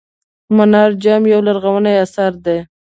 منار جام یو لرغونی اثر دی.